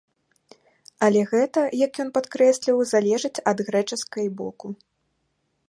Але гэта, як ён падкрэсліў, залежыць ад грэчаскай боку.